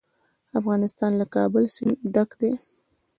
افغانستان له د کابل سیند ډک دی.